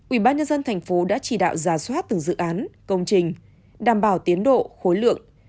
ubnd tp đã chỉ đạo giả soát từ dự án công trình đảm bảo tiến độ khối lượng